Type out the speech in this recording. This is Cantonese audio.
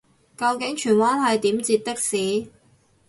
究竟荃灣係點截的士